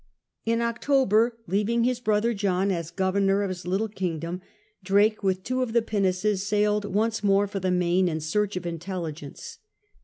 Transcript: In October, leaving his brother John as governor of his little kingdom, Drake with two of the pinnaces sailed once more for the Main in search of intelligence.